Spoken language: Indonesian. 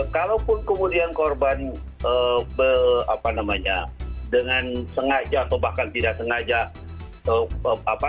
kalaupun kemudian korban dengan sengaja atau bahkan tidak sengaja